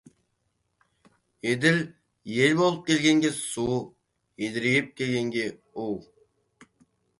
Еділ — ел болып келгенге су, едірейіп келгенге у.